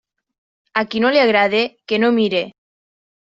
A qui no li agrade, que no mire.